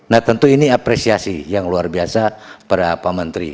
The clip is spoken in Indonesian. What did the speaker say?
nah tentu ini apresiasi yang luar biasa para pak menteri